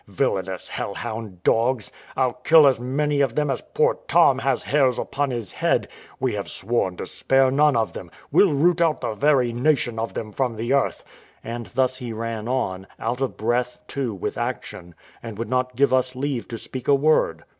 Villainous hell hound dogs! I'll kill as many of them as poor Tom has hairs upon his head: we have sworn to spare none of them; we'll root out the very nation of them from the earth;" and thus he ran on, out of breath, too, with action, and would not give us leave to speak a word.